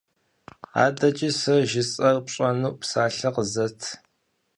АдэкӀи сэ жысӀэр пщӀэну псалъэ къызэт.